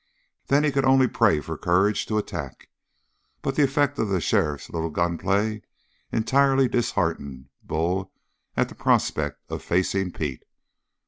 Then he could only pray for courage to attack. But the effect of the sheriff's little gunplay entirely disheartened Bull at the prospect of facing Pete.